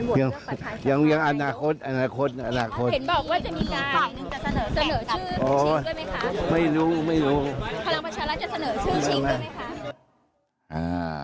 พลังพัชราชจะเสนอชื่อชิงด้วยไหมคะ